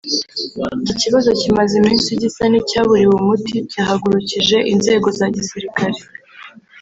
Iki kibazo kimaze iminsi gisa n’icyaburiwe umuti cyahagurukije inzego za Gisirikari